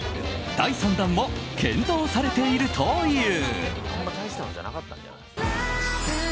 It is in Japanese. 第３弾も検討されているという。